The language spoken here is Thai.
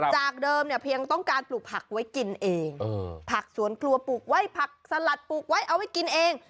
จากเดิมเนี่ยเพียงต้องการปลูกผักไว้กินเองผักสวนครัวปลูกไว้ผักสลัดปลูกไว้เอาไว้กินเอง